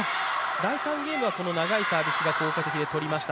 第３ゲームがこの長いサービスが効果的で取りました。